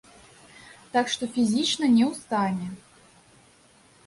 Так што фізічна не ў стане.